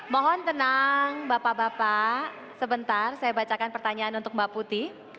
mohon tenang bapak bapak sebentar saya bacakan pertanyaan untuk mbak putih